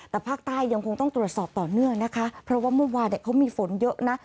แต่ภาคใต้ยังคงต้องตรวจสอบต่อเนื่องนะคะเพราะว่าเมื่อวานเขามีฝนเยอะนะ